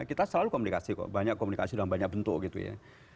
kita selalu komunikasi kok banyak komunikasi dalam banyak bentuk gitu ya